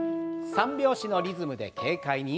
３拍子のリズムで軽快に。